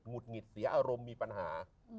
ุดหงิดเสียอารมณ์มีปัญหา